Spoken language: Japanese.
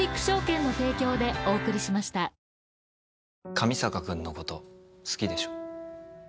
上坂君のこと好きでしょ？